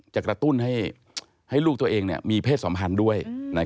กระตุ้นให้ลูกตัวเองมีเพศสัมพันธ์ด้วย